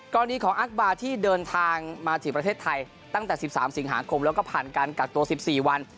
กรณีของอักบาร์ที่เดินทางมาถึงประเทศไทยตั้งแต่๑๓สิงหาคมแล้วก็ผ่านการกักตัว๑๔วัน